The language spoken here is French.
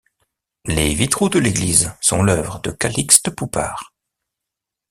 Les vitraux de l'église sont l'œuvre de Calixte Poupart.